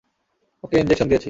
ওকে injection দিয়েছি।